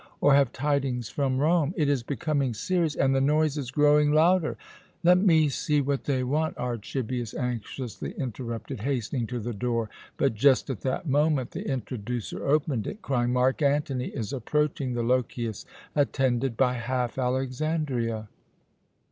Or have tidings from Rome ? It is becoming serious and the noise is growing louder." "Let me see what they want," Archibius anxiously interrupted, hastening to the door; but just at that moment the Introducer opened it, crying, "Mark Antony is approaching the Lochias, attended by half Alexandria!"